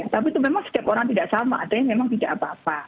tapi itu memang setiap orang tidak sama adanya memang tidak apa apa